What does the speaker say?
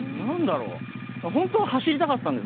本当は走りたかったんですよ